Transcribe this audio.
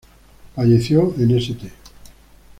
Falleció en St.